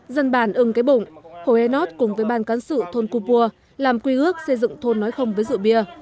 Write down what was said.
dân bản ưng cái bụng hồ enos cùng với ban cán sự thôn cô pua làm quy ước xây dựng thôn nói không với rượu bia